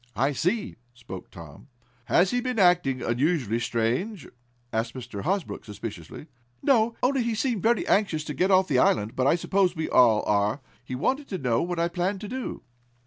"I see," spoke Tom. "Has he been acting unusually strange?" asked Mr. Hosbrook suspiciously. "No, only he seemed very anxious to get off the island, but I suppose we all are. He wanted to know what I planned to do."